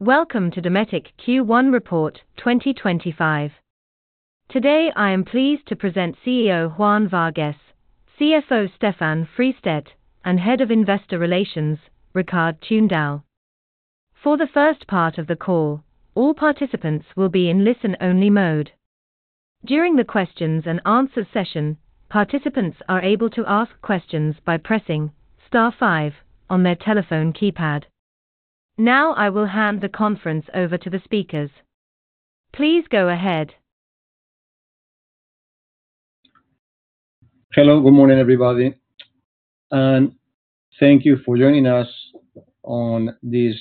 Welcome to Dometic Q1 Report 2025. Today I am pleased to present CEO Juan Vargues, CFO Stefan Fristedt, and Head of Investor Relations, Rikard Tunedal. For the first part of the call, all participants will be in listen-only mode. During the questions and answers session, participants are able to ask questions by pressing *5 on their telephone keypad. Now I will hand the conference over to the speakers. Please go ahead. Hello, good morning everybody, and thank you for joining us on this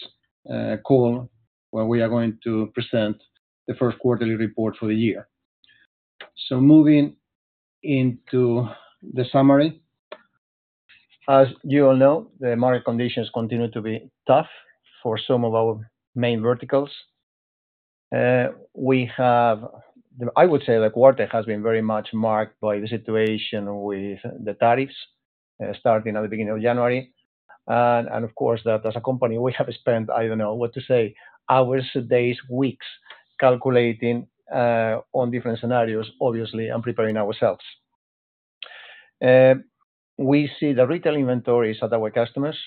call where we are going to present the first quarterly report for the year. Moving into the summary, as you all know, the market conditions continue to be tough for some of our main verticals. I would say the quarter has been very much marked by the situation with the tariffs starting at the beginning of January. Of course, as a company, we have spent, I do not know what to say, hours, days, weeks calculating on different scenarios, obviously, and preparing ourselves. We see the retail inventories at our customers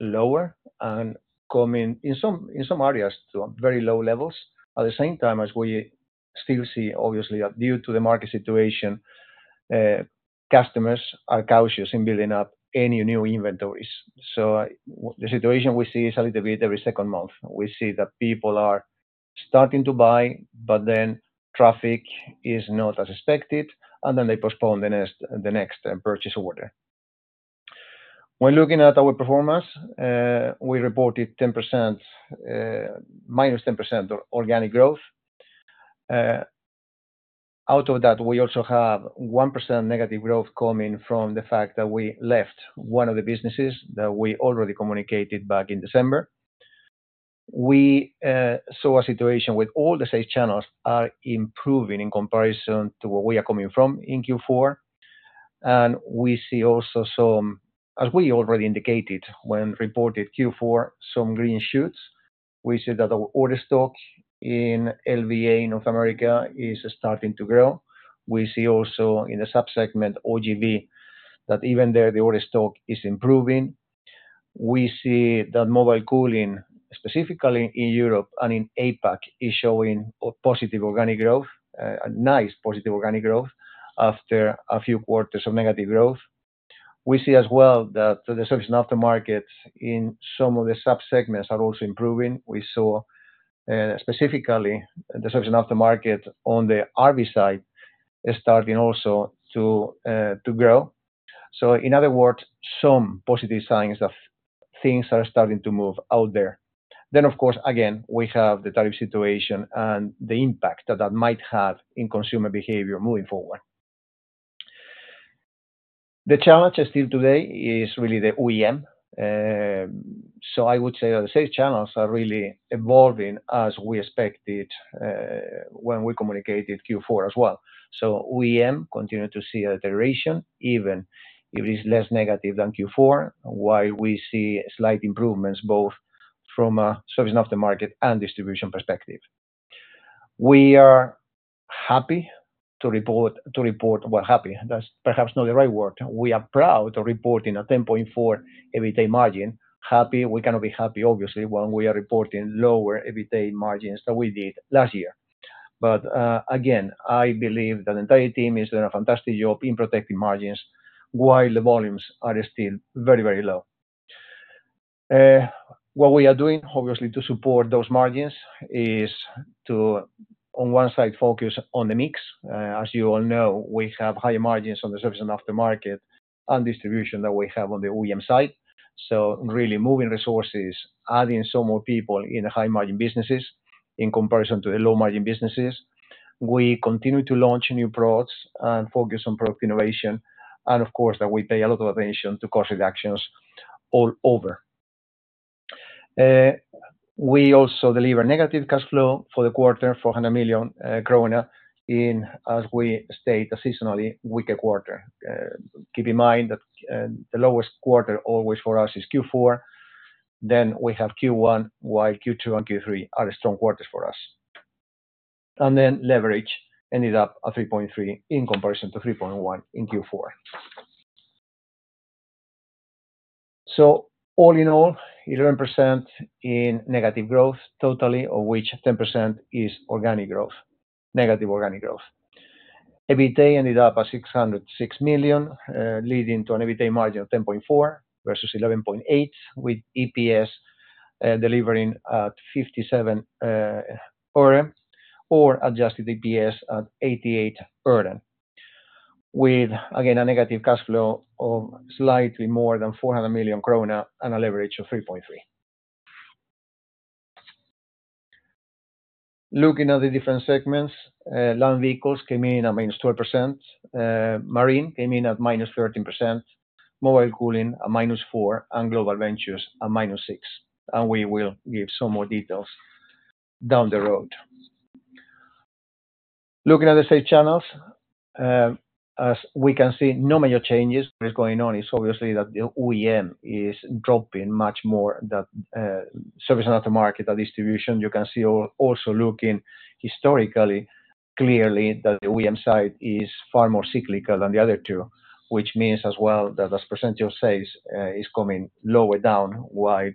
are lower and coming in some areas to very low levels. At the same time, as we still see, obviously, that due to the market situation, customers are cautious in building up any new inventories. The situation we see is a little bit every second month. We see that people are starting to buy, but then traffic is not as expected, and then they postpone the next purchase order. When looking at our performance, we reported -10% organic growth. Out of that, we also have 1% negative growth coming from the fact that we left one of the businesses that we already communicated back in December. We saw a situation with all the sales channels improving in comparison to where we are coming from in Q4. We see also some, as we already indicated when we reported Q4, some green shoots. We see that the order stock in LVA in North America is starting to grow. We see also in the subsegment OGB that even there the order stock is improving. We see that Mobile Cooling, specifically in Europe and in APAC, is showing positive organic growth, a nice positive organic growth after a few quarters of negative growth. We see as well that the Service and Aftermarket in some of the subsegments are also improving. We saw specifically the Service and Aftermarket on the RV side starting also to grow. In other words, some positive signs that things are starting to move out there. Of course, again, we have the tariff situation and the impact that that might have in consumer behavior moving forward. The challenge still today is really the OEM. I would say that the sales channels are really evolving as we expected when we communicated Q4 as well. OEM continue to see a deterioration, even if it is less negative than Q4, while we see slight improvements both from a Service and Aftermarket and distribution perspective. We are happy to report, well, happy, that is perhaps not the right word. We are proud to report a 10.4% EBITDA margin. Happy, we cannot be happy, obviously, when we are reporting lower EBITDA margins than we did last year. Again, I believe that the entire team is doing a fantastic job in protecting margins while the volumes are still very, very low. What we are doing, obviously, to support those margins is to, on one side, focus on the mix. As you all know, we have higher margins on the Service and Aftermarket and distribution than we have on the OEM side. Really moving resources, adding some more people in high-margin businesses in comparison to the low-margin businesses. We continue to launch new products and focus on product innovation. Of course, we pay a lot of attention to cost reductions all over. We also deliver negative cash flow for the quarter, 400 million kronor, growing in, as we state, a seasonally weaker quarter. Keep in mind that the lowest quarter always for us is Q4. We have Q1, while Q2 and Q3 are strong quarters for us. Leverage ended up at 3.3 in comparison to 3.1 in Q4. All in all, 11% in negative growth totally, of which 10% is organic growth, negative organic growth. EBITDA ended up at 606 million, leading to an EBITDA margin of 10.4% versus 11.8%, with EPS delivering at 0.57, or adjusted EPS at 0.88, with, again, a negative cash flow of slightly more than 400 million krona and a leverage of 3.3. Looking at the different segments, Land Vehicles came in at -12%, Marine came in at -13%, Mobile Cooling at -4%, and Global Ventures at -6%. We will give some more details down the road. Looking at the sales channels, as we can see, no major changes. What is going on is obviously that the OEM is dropping much more than Service and Aftermarket, that distribution. You can see also looking historically, clearly that the OEM side is far more cyclical than the other two, which means as well that as percentage of sales is coming lower down, while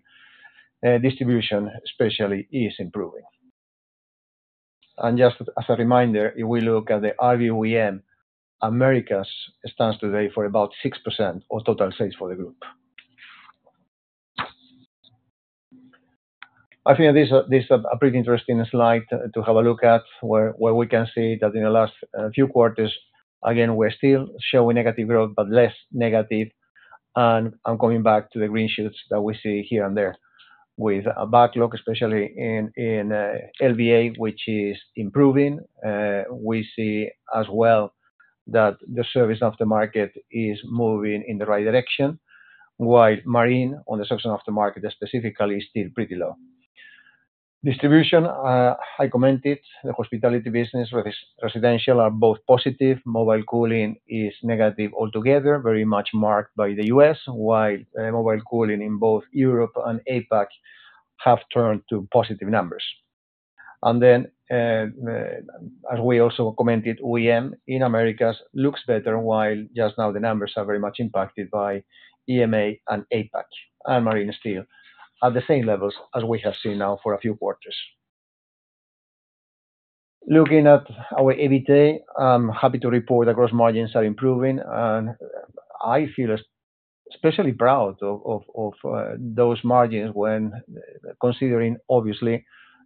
distribution especially is improving. Just as a reminder, if we look at the RV OEM, Americas stands today for about 6% of total sales for the group. I think this is a pretty interesting slide to have a look at, where we can see that in the last few quarters, again, we're still showing negative growth, but less negative. I'm coming back to the green shoots that we see here and there, with a backlog, especially in LVA, which is improving. We see as well that the Service and Aftermarket is moving in the right direction, while Marine on the Service and Aftermarket specifically is still pretty low. Distribution, I commented, the Hospitality business, Residential are both positive. Mobile cooling is negative altogether, very much marked by the U.S., while Mobile Cooling in both Europe and APAC have turned to positive numbers. As we also commented, OEM in Americas looks better, while just now the numbers are very much impacted by EMEA and APAC and Marine still at the same levels as we have seen now for a few quarters. Looking at our EBITDA, I'm happy to report that gross margins are improving. I feel especially proud of those margins when considering, obviously,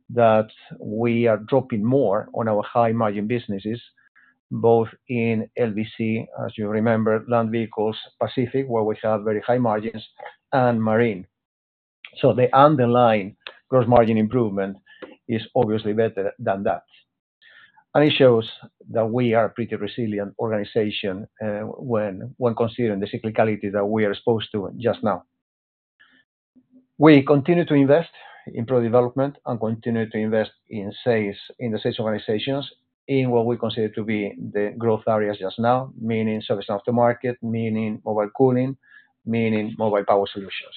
that we are dropping more on our high-margin businesses, both in LVA, as you remember, Land Vehicles, Pacific, where we have very high margins, and Marine. The underlying gross margin improvement is obviously better than that. It shows that we are a pretty resilient organization when considering the cyclicality that we are exposed to just now. We continue to invest in product development and continue to invest in sales in the sales organizations in what we consider to be the growth areas just now, meaning Service and Aftermarket, meaning Mobile Cooling, meaning Mobile Power Solutions.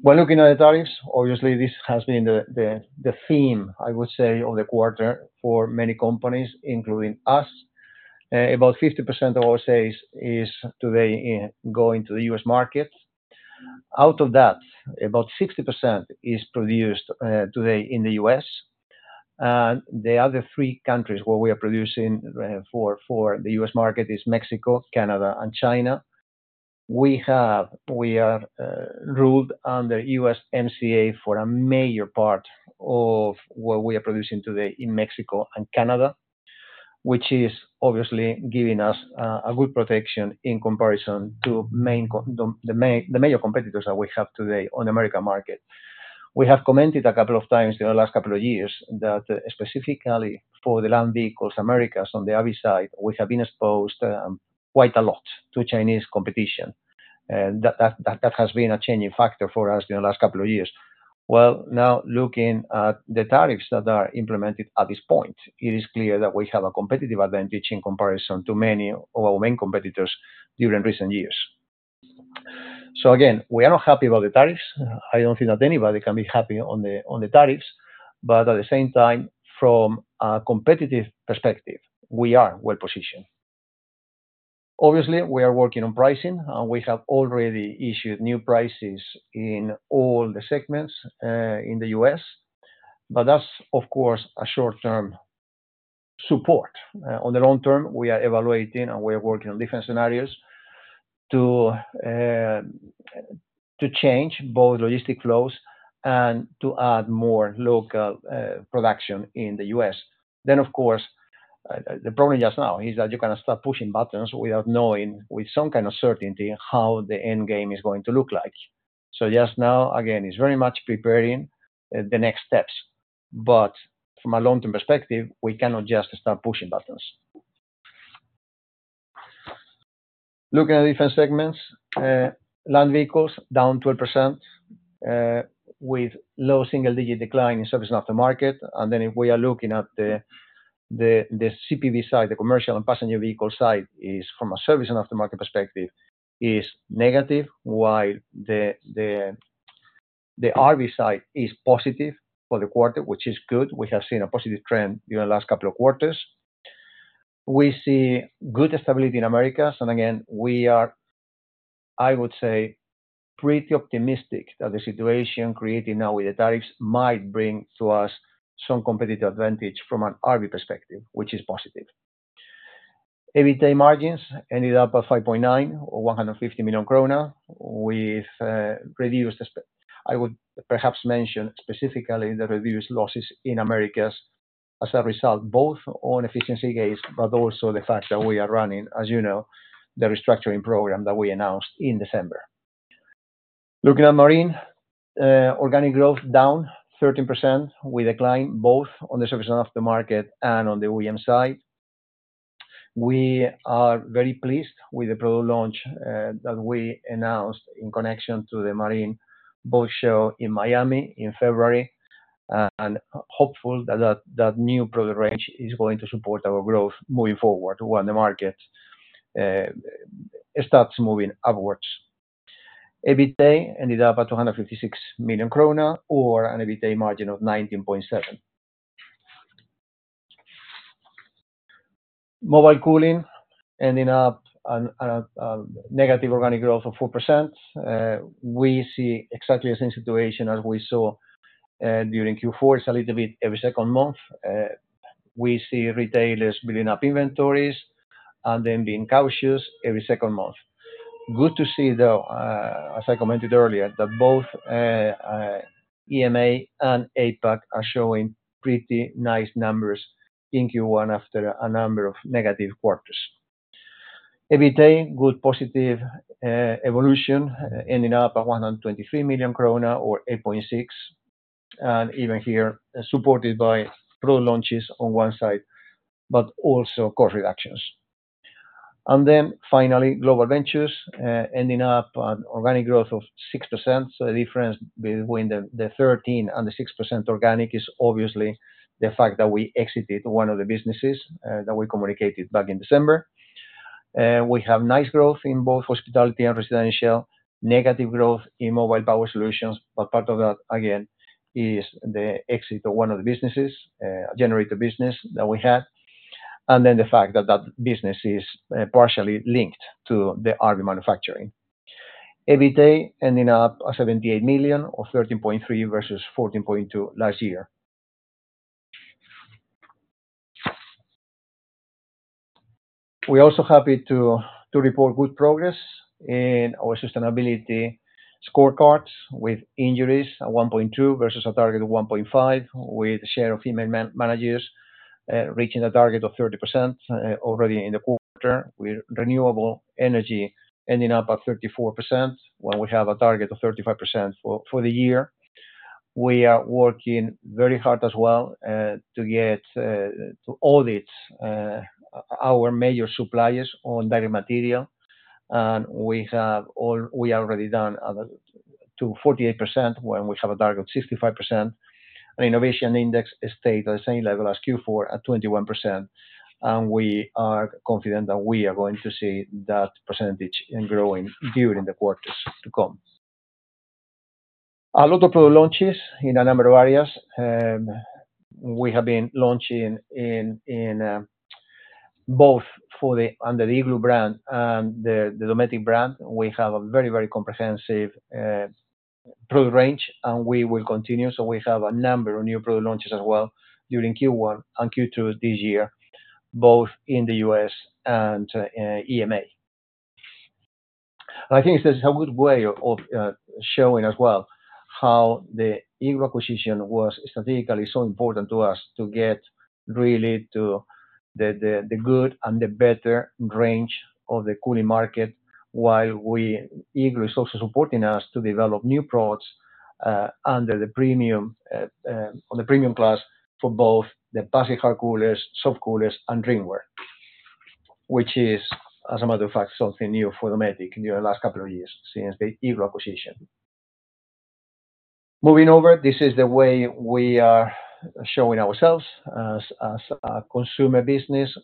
When looking at the tariffs, obviously, this has been the theme, I would say, of the quarter for many companies, including us. About 50% of our sales is today going to the U.S. market. Out of that, about 60% is produced today in the U.S. And the other three countries where we are producing for the U.S. market are Mexico, Canada, and China. We are ruled under USMCA for a major part of what we are producing today in Mexico and Canada, which is obviously giving us a good protection in comparison to the major competitors that we have today on the American market. We have commented a couple of times in the last couple of years that specifically for the Land Vehicles Americas on the RV side, we have been exposed quite a lot to Chinese competition. That has been a changing factor for us in the last couple of years. Now looking at the tariffs that are implemented at this point, it is clear that we have a competitive advantage in comparison to many of our main competitors during recent years. Again, we are not happy about the tariffs. I do not think that anybody can be happy on the tariffs. At the same time, from a competitive perspective, we are well positioned. Obviously, we are working on pricing, and we have already issued new prices in all the segments in the U.S. That is, of course, a short-term support. On the long term, we are evaluating and we are working on different scenarios to change both logistic flows and to add more local production in the U.S. The problem just now is that you can start pushing buttons without knowing with some kind of certainty how the end game is going to look like. Just now, again, it's very much preparing the next steps. From a long-term perspective, we cannot just start pushing buttons. Looking at different segments, Land Vehicles down 12% with low single-digit decline in Service and Aftermarket. If we are looking at the CPV side, the Commercial and Passenger Vehicle side is, from a Service and Aftermarket perspective, negative, while the RV side is positive for the quarter, which is good. We have seen a positive trend during the last couple of quarters. We see good stability in Americas. We are, I would say, pretty optimistic that the situation created now with the tariffs might bring to us some competitive advantage from an RV perspective, which is positive. EBITDA margins ended up at 5.9% or 150 million krona with reduced, I would perhaps mention specifically the reduced losses in Americas as a result, both on efficiency gains, but also the fact that we are running, as you know, the restructuring program that we announced in December. Looking at Marine, organic growth down 13% with decline both on the Service and Aftermarket and on the OEM side. We are very pleased with the product launch that we announced in connection to the Marine boat show in Miami in February and hopeful that that new product range is going to support our growth moving forward when the market starts moving upwards. EBITDA ended up at 256 million krona or an EBITDA margin of 19.7%. Mobile cooling ending up at a negative organic growth of 4%. We see exactly the same situation as we saw during Q4, it's a little bit every second month. We see retailers building up inventories and then being cautious every second month. Good to see, though, as I commented earlier, that both EMEA and APAC are showing pretty nice numbers in Q1 after a number of negative quarters. EBITDA, good positive evolution ending up at 123 million krona or 8.6%. Even here, supported by product launches on one side, but also cost reductions. Finally, Global Ventures ending up at organic growth of 6%. The difference between the 13% and the 6% organic is obviously the fact that we exited one of the businesses that we communicated back in December. We have nice growth in both hospitality and residential, negative growth in Mobile Power Solutions, but part of that, again, is the exit of one of the businesses, a generator business that we had. The fact that that business is partially linked to the RV manufacturing. EBITDA ending up at $78 million or 13.3% versus 14.2% last year. We are also happy to report good progress in our sustainability scorecards with injuries at 1.2 versus a target of 1.5, with the share of female managers reaching a target of 30% already in the quarter, with renewable energy ending up at 34% when we have a target of 35% for the year. We are working very hard as well to audit our major suppliers on raw material. We are already down to 48% when we have a target of 65%. Innovation index stayed at the same level as Q4 at 21%. We are confident that we are going to see that percentage growing during the quarters to come. A lot of product launches in a number of areas. We have been launching in both for the under the Igloo brand and the Dometic brand. We have a very, very comprehensive product range, and we will continue. We have a number of new product launches as well during Q1 and Q2 this year, both in the U.S. and EMEA. I think this is a good way of showing as well how the Igloo acquisition was strategically so important to us to get really to the good and the better range of the cooling market, while Igloo is also supporting us to develop new products under the premium class for both the passive hard coolers, soft coolers, and drinkware, which is, as a matter of fact, something new for Dometic in the last couple of years since the Igloo acquisition. Moving over, this is the way we are showing ourselves as a consumer business,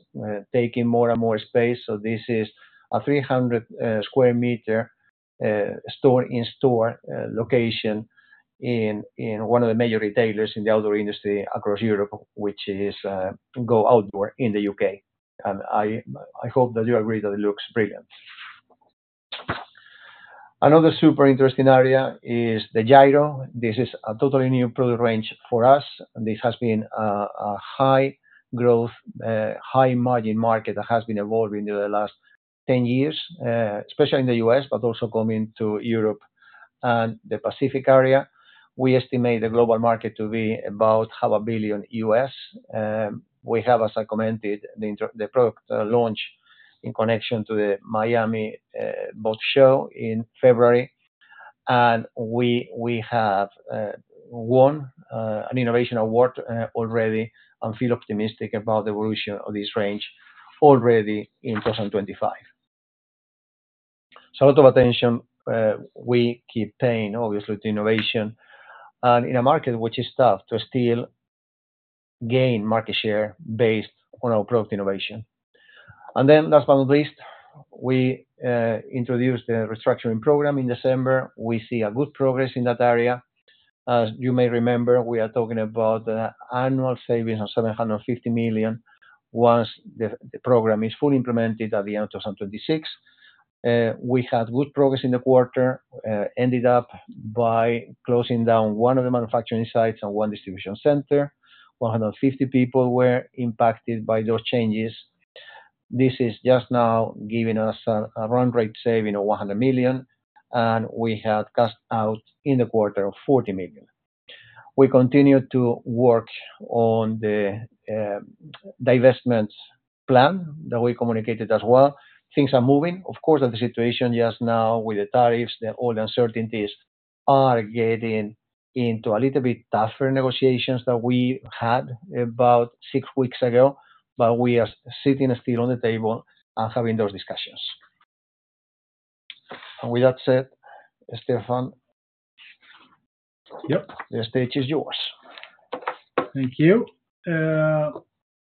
taking more and more space. This is a 300 sq m store-in-store location in one of the major retailers in the outdoor industry across Europe, which is Go Outdoors in the U.K. I hope that you agree that it looks brilliant. Another super interesting area is the gyro. This is a totally new product range for us. This has been a high-growth, high-margin market that has been evolving during the last 10 years, especially in the U.S., but also coming to Europe and the Pacific area. We estimate the global market to be about $500 million. We have, as I commented, the product launch in connection to the Miami Boat Show in February. We have won an innovation award already and feel optimistic about the evolution of this range already in 2025. A lot of attention we keep paying, obviously, to innovation and in a market which is tough to still gain market share based on our product innovation. Last but not least, we introduced the restructuring program in December. We see good progress in that area. As you may remember, we are talking about annual savings of 750 million once the program is fully implemented at the end of 2026. We had good progress in the quarter, ended up by closing down one of the manufacturing sites and one Distribution center. 150 people were impacted by those changes. This is just now giving us a run rate saving of 100 million. And we had cash out in the quarter of 40 million. We continue to work on the divestment plan that we communicated as well. Things are moving. Of course, the situation just now with the tariffs, all the uncertainties are getting into a little bit tougher negotiations that we had about six weeks ago. We are sitting still on the table and having those discussions. With that said, Stefan, the stage is yours. Thank you.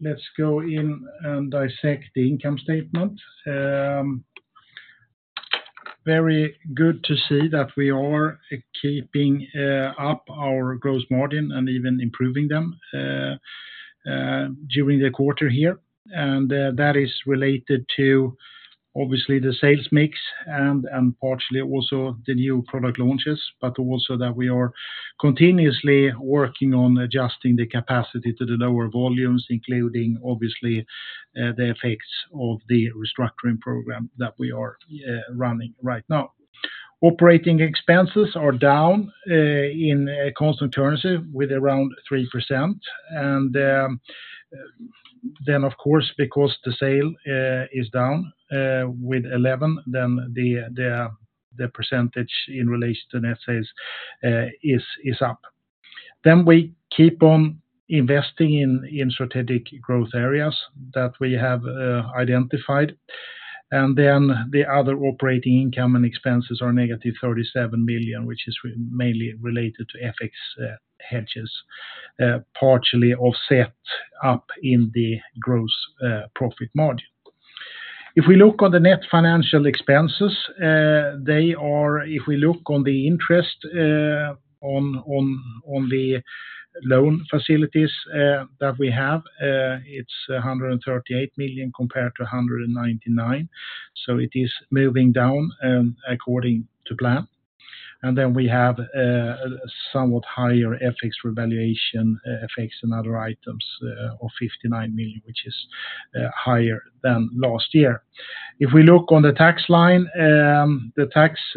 Let's go in and dissect the income statement. Very good to see that we are keeping up our gross margin and even improving them during the quarter here. That is related to, obviously, the sales mix and partially also the new product launches, but also that we are continuously working on adjusting the capacity to the lower volumes, including obviously the effects of the restructuring program that we are running right now. Operating expenses are down in constant currency with around 3%. Of course, because the sale is down with 11%, the percentage in relation to net sales is up. We keep on investing in strategic growth areas that we have identified. The other operating income and expenses are negative 37 million, which is mainly related to FX hedges, partially offset up in the gross profit margin. If we look on the net financial expenses, they are, if we look on the interest on the loan facilities that we have, it's 138 million compared to 199 million. It is moving down according to plan. We have somewhat higher FX revaluation, FX and other items of 59 million, which is higher than last year. If we look on the tax line, the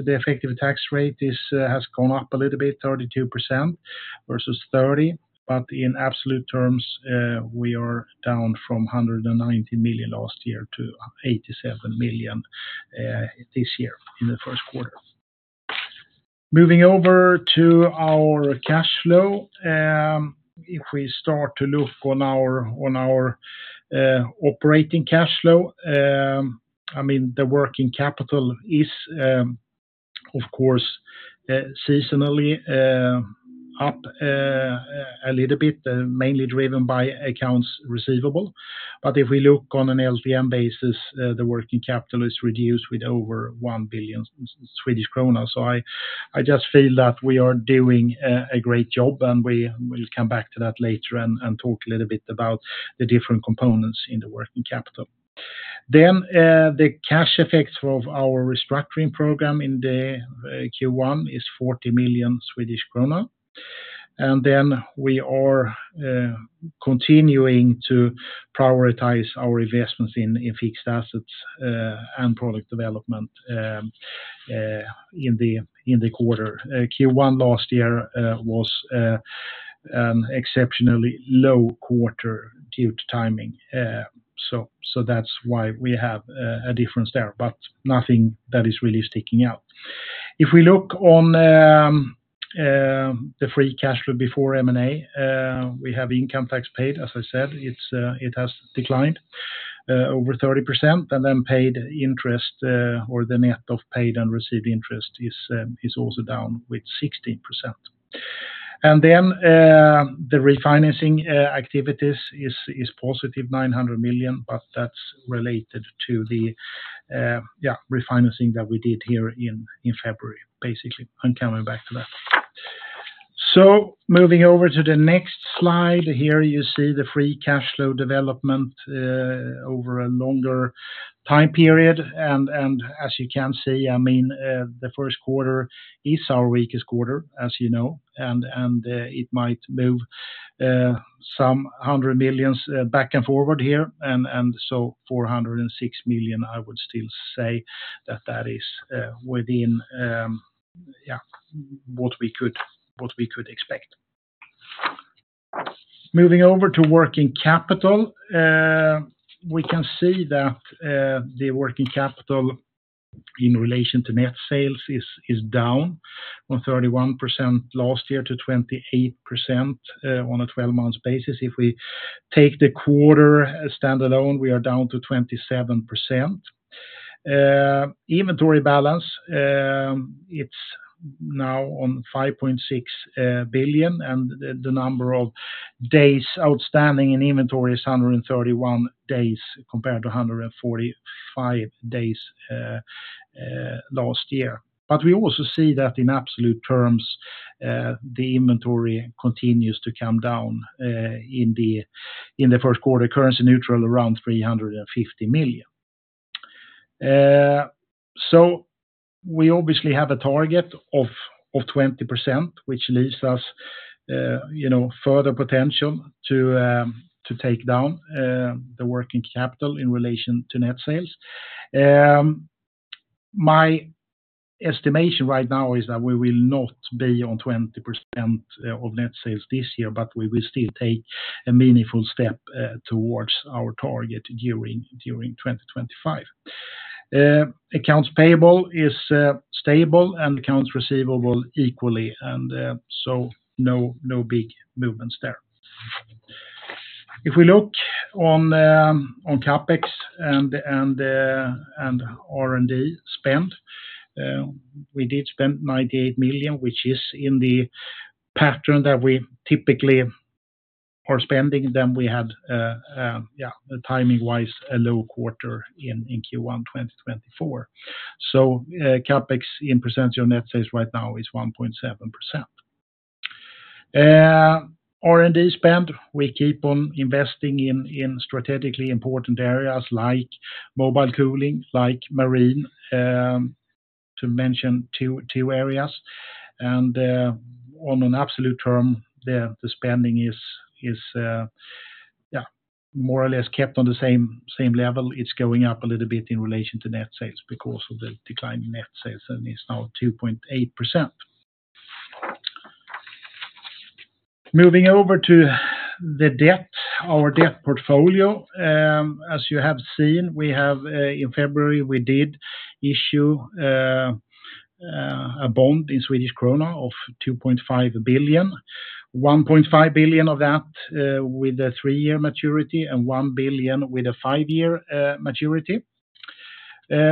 effective tax rate has gone up a little bit, 32% versus 30%. In absolute terms, we are down from 190 million last year to 87 million this year in the first quarter. Moving over to our cash flow, if we start to look on our operating cash flow, I mean, the working capital is, of course, seasonally up a little bit, mainly driven by accounts receivable. If we look on an LTM basis, the working capital is reduced with over 1 billion Swedish krona. I just feel that we are doing a great job, and we will come back to that later and talk a little bit about the different components in the working capital. The cash effects of our restructuring program in Q1 is 40 million Swedish kronor. We are continuing to prioritize our investments in fixed assets and product development in the quarter. Q1 last year was an exceptionally low quarter due to timing. That is why we have a difference there, but nothing that is really sticking out. If we look on the free cash flow before M&A, we have income tax paid. As I said, it has declined over 30%. Paid interest or the net of paid and received interest is also down with 16%. The refinancing activities is positive, $900 million, but that's related to the refinancing that we did here in February, basically. I'm coming back to that. Moving over to the next slide, here you see the free cash flow development over a longer time period. As you can see, I mean, the first quarter is our weakest quarter, as you know. It might move some $100 million back and forward here. $406 million, I would still say that that is within what we could expect. Moving over to working capital, we can see that the working capital in relation to net sales is down from 31% last year to 28% on a 12-month basis. If we take the quarter standalone, we are down to 27%. Inventory balance, it's now on $5.6 billion. The number of days outstanding in inventory is 131 days compared to 145 days last year. We also see that in absolute terms, the inventory continues to come down in the first quarter, currency neutral around 350 million. We obviously have a target of 20%, which leaves us further potential to take down the working capital in relation to net sales. My estimation right now is that we will not be on 20% of net sales this year, but we will still take a meaningful step towards our target during 2025. Accounts payable is stable and accounts receivable equally. No big movements there. If we look on CapEx and R&D spend, we did spend 98 million, which is in the pattern that we typically are spending. We had, timing-wise, a low quarter in Q1 2024. CapEx in percentage on net sales right now is 1.7%. R&D spend, we keep on investing in strategically important areas like Mobile Cooling, like Marine, to mention two areas. In absolute terms, the spending is more or less kept on the same level. It is going up a little bit in relation to net sales because of the declining net sales, and it is now 2.8%. Moving over to the debt, our debt portfolio. As you have seen, in February, we did issue a bond in 2.5 billion Swedish krona. 1.5 billion of that with a three-year maturity and 1 billion with a five-year maturity.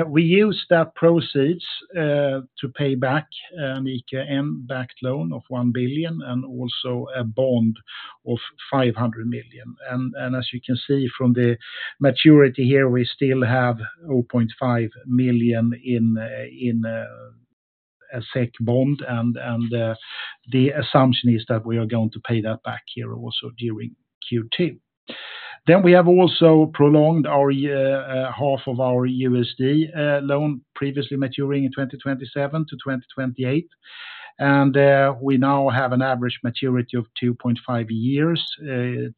We used that proceeds to pay back an EKN-backed loan of 1 billion and also a bond of 500 million. As you can see from the maturity here, we still have 0.5 billion in a SEK bond. The assumption is that we are going to pay that back here also during Q2. We have also prolonged half of our USD loan previously maturing in 2027 to 2028. We now have an average maturity of 2.5 years, 2.7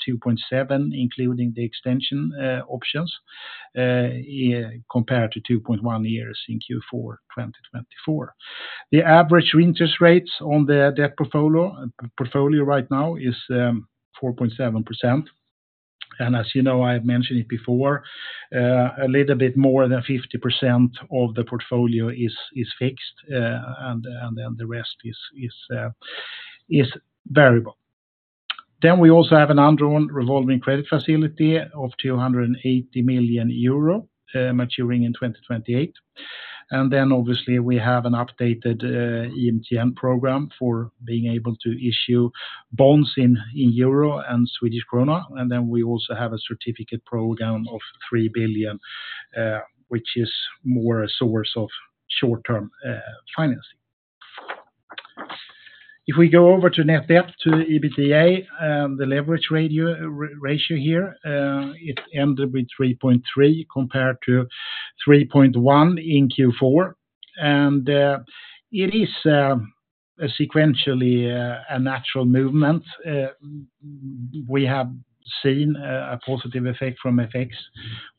including the extension options compared to 2.1 years in Q4 2024. The average interest rates on the debt portfolio right now is 4.7%. As you know, I have mentioned it before, a little bit more than 50% of the portfolio is fixed, and the rest is variable. We also have an undrawn revolving credit facility of 280 million euro maturing in 2028. Obviously, we have an updated EMTN program for being able to issue bonds in euro and Swedish krona. We also have a certificate program of 3 billion, which is more a source of short-term financing. If we go over to net debt to EBITDA and the leverage ratio here, it ended with 3.3 compared to 3.1 in Q4. It is sequentially a natural movement. We have seen a positive effect from FX.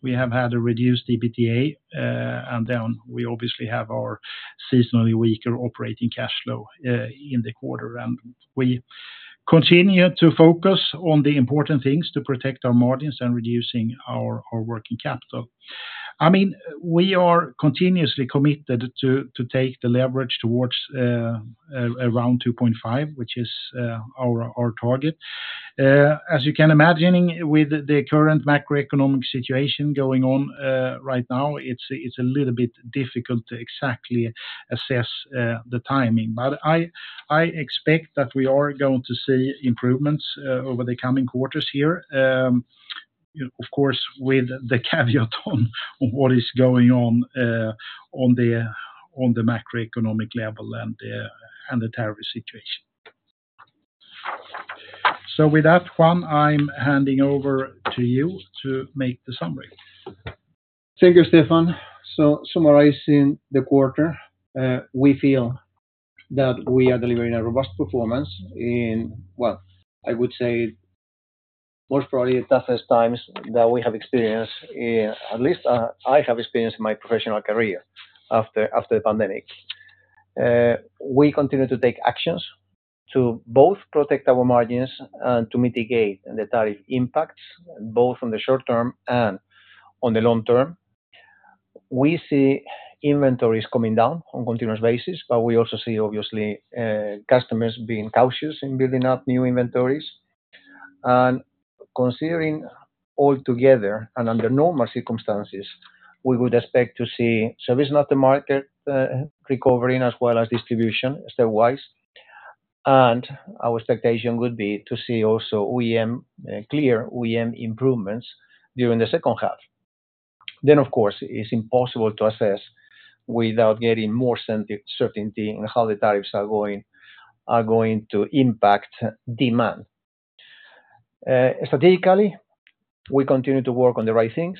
We have had a reduced EBITDA. We obviously have our seasonally weaker operating cash flow in the quarter. We continue to focus on the important things to protect our margins and reducing our working capital. I mean, we are continuously committed to take the leverage towards around 2.5, which is our target. As you can imagine, with the current macroeconomic situation going on right now, it's a little bit difficult to exactly assess the timing. I expect that we are going to see improvements over the coming quarters here, of course, with the caveat on what is going on on the macroeconomic level and the tariff situation. With that, Juan, I am handing over to you to make the summary. Thank you, Stefan. Summarizing the quarter, we feel that we are delivering a robust performance in, I would say, most probably the toughest times that we have experienced, at least I have experienced in my professional career after the pandemic. We continue to take actions to both protect our margins and to mitigate the tariff impacts, both in the short term and in the long term. We see inventories coming down on a continuous basis, but we also see, obviously, customers being cautious in building up new inventories. Considering all together, and under normal circumstances, we would expect to see Service and Aftermarket recovering as well as distribution stepwise. Our expectation would be to see also clear OEM improvements during the second half. Of course, it's impossible to assess without getting more certainty in how the tariffs are going to impact demand. Strategically, we continue to work on the right things.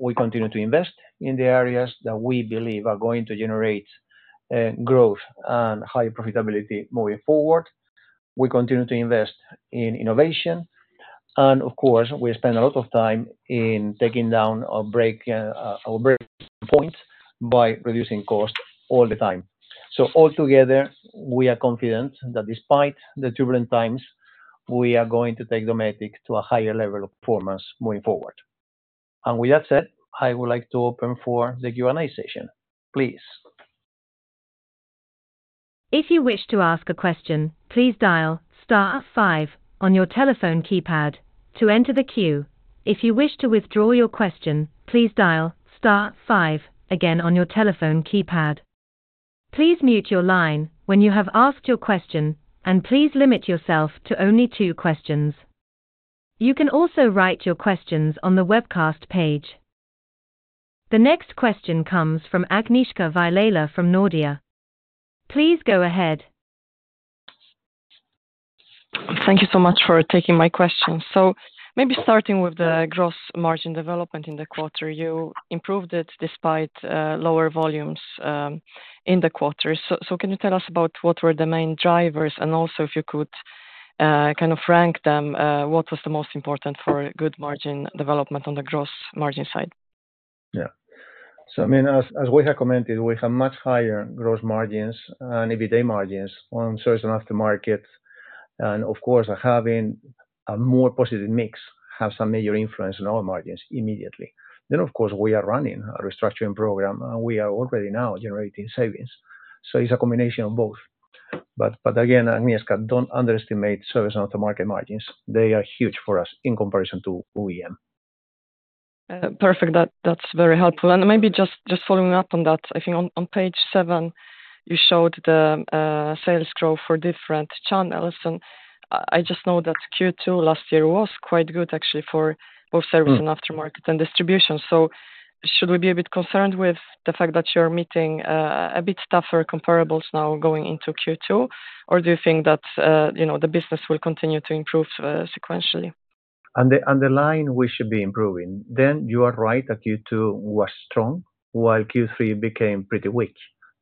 We continue to invest in the areas that we believe are going to generate growth and high profitability moving forward. We continue to invest in innovation. Of course, we spend a lot of time in taking down our breaking points by reducing costs all the time. Altogether, we are confident that despite the turbulent times, we are going to take Dometic to a higher level of performance moving forward. With that said, I would like to open for the Q&A session, please. If you wish to ask a question, please dial star five on your telephone keypad to enter the queue. If you wish to withdraw your question, please dial star five again on your telephone keypad. Please mute your line when you have asked your question, and please limit yourself to only two questions. You can also write your questions on the webcast page. The next question comes from Agnieszka Vilela from Nordea. Please go ahead. Thank you so much for taking my question. Maybe starting with the gross margin development in the quarter, you improved it despite lower volumes in the quarter. Can you tell us about what were the main drivers? Also, if you could kind of rank them, what was the most important for good margin development on the gross margin side? Yeah. I mean, as we have commented, we have much higher gross margins and EBITDA margins on certain aftermarkets. Of course, having a more positive mix has some major influence on our margins immediately. Of course, we are running a restructuring program, and we are already now generating savings. It is a combination of both. Again, Agnieszka, do not underestimate service aftermarket margins. They are huge for us in comparison to OEM. Perfect. That is very helpful. Maybe just following up on that, I think on page seven, you showed the sales growth for different channels. I just know that Q2 last year was quite good, actually, for both Service and Aftermarket and distribution. Should we be a bit concerned with the fact that you are meeting a bit tougher comparables now going into Q2? Do you think that the business will continue to improve sequentially? On the line, we should be improving. You are right that Q2 was strong, while Q3 became pretty weak.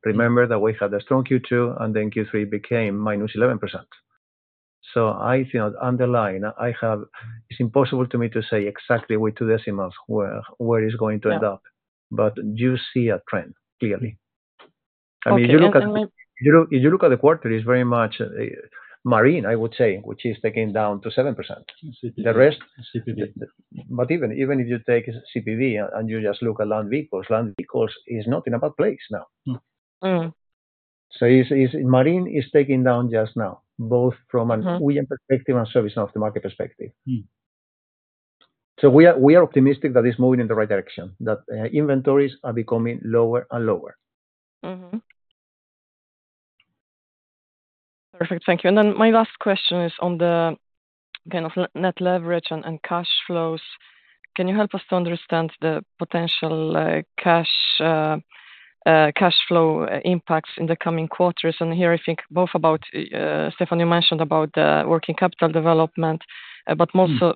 Remember that we had a strong Q2, and then Q3 became minus 11%. I think on the line, it's impossible to me to say exactly with two decimals where it's going to end up. You see a trend clearly. I mean, if you look at the quarter, it's very much Marine, I would say, which is taking down to 7%. The rest, CPV. Even if you take CPV and you just look at Land Vehicles, Land Vehicles is not in a bad place now. Marine is taking down just now, both from an OEM perspective and service aftermarket perspective. We are optimistic that it's moving in the right direction, that inventories are becoming lower and lower. Perfect. Thank you. My last question is on the kind of net leverage and cash flows. Can you help us to understand the potential cash flow impacts in the coming quarters? Here, I think both about, Stefan, you mentioned about the working capital development, but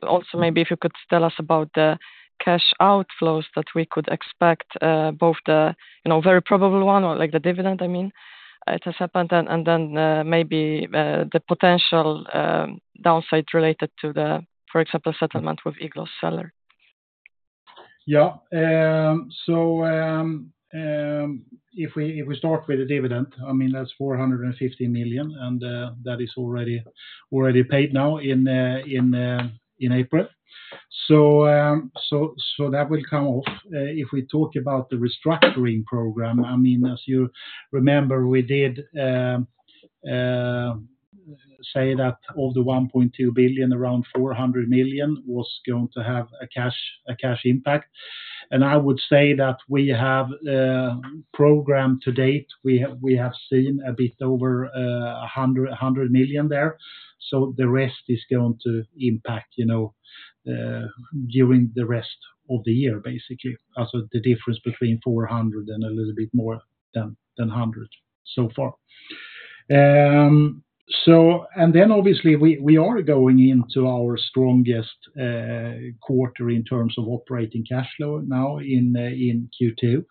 also maybe if you could tell us about the cash outflows that we could expect, both the very probable one or like the dividend, I mean, it has happened, and then maybe the potential downside related to the, for example, settlement with Igloo sellers. Yeah. If we start with the dividend, I mean, that's 450 million, and that is already paid now in April. That will come off. If we talk about the restructuring program, I mean, as you remember, we did say that of the 1.2 billion, around 400 million was going to have a cash impact. I would say that we have programmed to date, we have seen a bit over 100 million there. The rest is going to impact during the rest of the year, basically. The difference between 400 and a little bit more than 100 so far. Obviously, we are going into our strongest quarter in terms of operating cash flow now in Q2.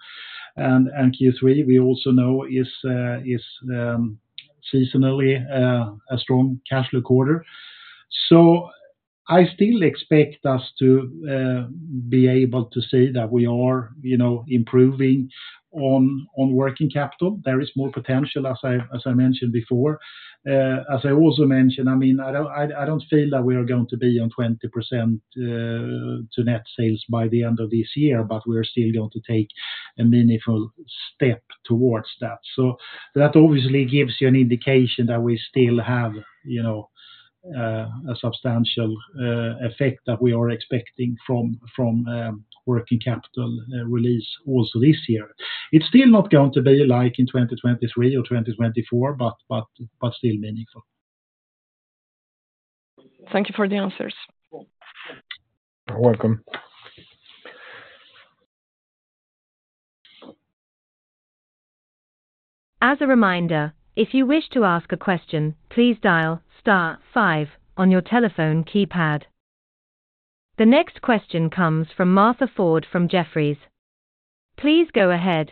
Q3, we also know, is seasonally a strong cash flow quarter. I still expect us to be able to see that we are improving on working capital. There is more potential, as I mentioned before. As I also mentioned, I mean, I do not feel that we are going to be on 20% to net sales by the end of this year, but we are still going to take a meaningful step towards that. That obviously gives you an indication that we still have a substantial effect that we are expecting from working capital release also this year. It is still not going to be like in 2023 or 2024, but still meaningful. Thank you for the answers. You're welcome. As a reminder, if you wish to ask a question, please dial star five on your telephone keypad. The next question comes from Martha Ford from Jefferies. Please go ahead.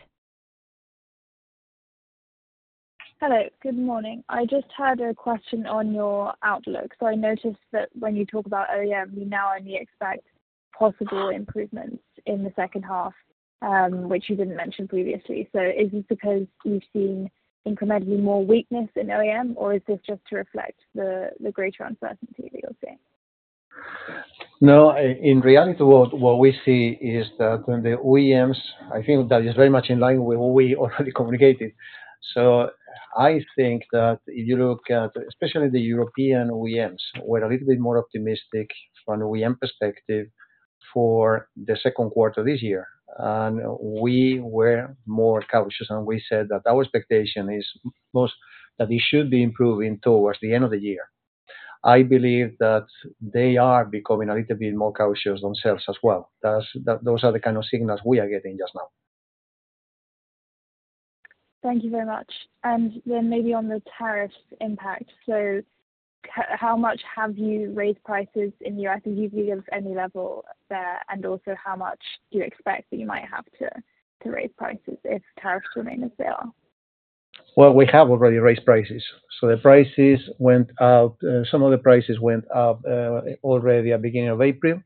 Hello. Good morning. I just had a question on your outlook. I noticed that when you talk about OEM, you now only expect possible improvements in the second half, which you did not mention previously. Is it because you have seen incrementally more weakness in OEM, or is this just to reflect the greater uncertainty that you are seeing? No, in reality, what we see is that the OEMs, I think that is very much in line with what we already communicated. I think that if you look at, especially the European OEMs, we are a little bit more optimistic from an OEM perspective for the second quarter this year. We were more cautious, and we said that our expectation is that it should be improving towards the end of the year. I believe that they are becoming a little bit more cautious themselves as well. Those are the kind of signals we are getting just now. Thank you very much. Maybe on the tariffs impact, how much have you raised prices in the U.S.? If you give any level there, and also how much do you expect that you might have to raise prices if tariffs remain as they are? We have already raised prices. The prices went up. Some of the prices went up already at the beginning of April.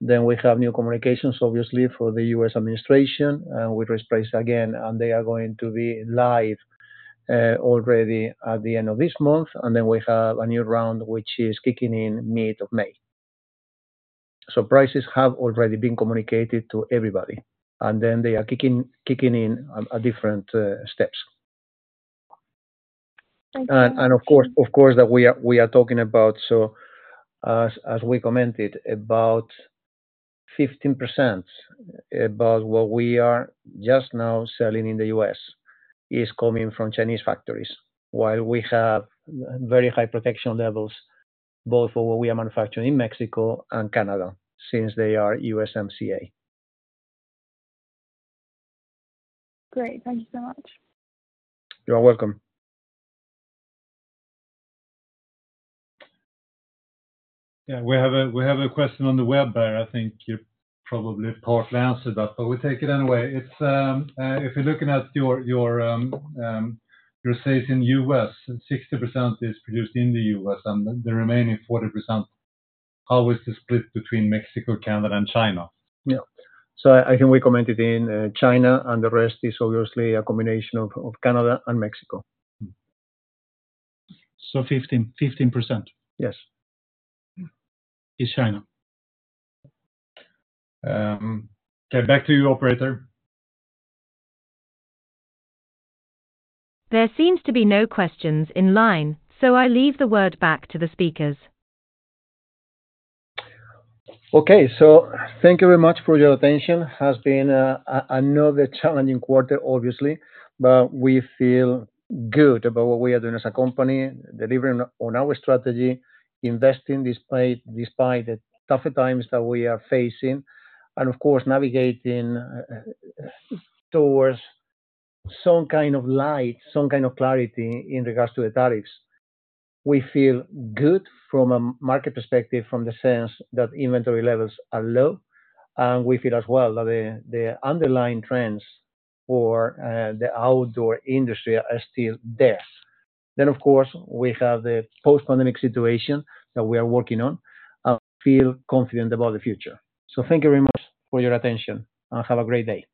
We have new communications, obviously, from the U.S. administration, and we raised prices again, and they are going to be live already at the end of this month. We have a new round, which is kicking in mid-May. Prices have already been communicated to everybody, and they are kicking in at different steps. Of course, we are talking about, as we commented, about 15% of what we are just now selling in the U.S. is coming from Chinese factories, while we have very high protection levels both for what we are manufacturing in Mexico and Canada since they are USMCA. Great. Thank you so much. You're welcome. Yeah. We have a question on the web, but I think you probably partly answered that, but we'll take it anyway. If you're looking at your sales in the U.S., 60% is produced in the U.S., and the remaining 40%, how is the split between Mexico, Canada, and China? Yeah. I think we commented in China, and the rest is obviously a combination of Canada and Mexico. 15%? Yes. Is China. Okay. Back to you, Operator. There seems to be no questions in line, so I leave the word back to the speakers. Okay. Thank you very much for your attention. It has been another challenging quarter, obviously, but we feel good about what we are doing as a company, delivering on our strategy, investing despite the tougher times that we are facing, and of course, navigating towards some kind of light, some kind of clarity in regards to the tariffs. We feel good from a market perspective from the sense that inventory levels are low, and we feel as well that the underlying trends for the outdoor industry are still there. Of course, we have the post-pandemic situation that we are working on, and we feel confident about the future. Thank you very much for your attention, and have a great day.